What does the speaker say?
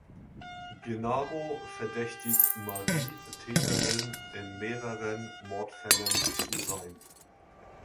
Gennaro verdächtigt Marie, Täterin in mehreren Mordfällen zu sein.